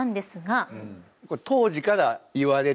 当時からいわれていた。